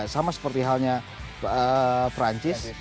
sama seperti halnya francis